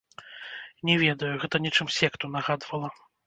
Не ведаю, гэта нечым секту нагадвала.